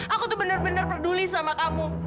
aku tuh bener bener peduli sama kamu